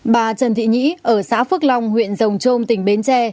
bà trần thị nhí ở xã phước long huyện rồng trôm tỉnh bến tre